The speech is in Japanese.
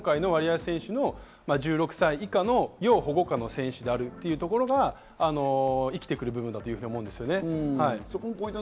それが今回のワリエワ選手の１６歳以下の要保護下の選手であるというところが生きてくる部分だと思います。